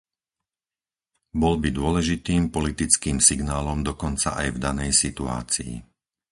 Bol by dôležitým politickým signálom dokonca aj v danej situácii.